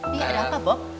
mi ada apa bob